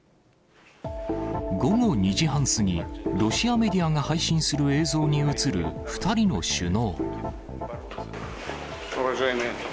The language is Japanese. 午後２時半過ぎ、ロシアメディアが配信する映像に映る２人の首脳。